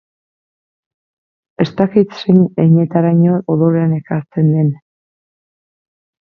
Ez dakit zein heinetaraino odolean ekartzen den.